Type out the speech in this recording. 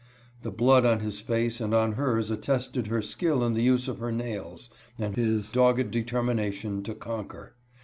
'1'' The blood on his face and on hers attested her skill in the use of her nails, and his dogged determination to conquer.